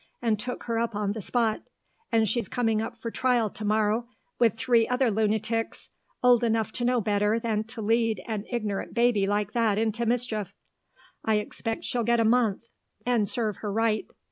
and took her up on the spot, and she's coming up for trial to morrow with three other lunatics, old enough to know better than to lead an ignorant baby like that into mischief. I expect she'll get a month, and serve her right.